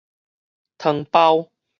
湯包